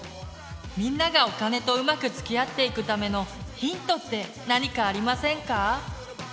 みんながお金とうまくつきあっていくためのヒントって何かありませんか？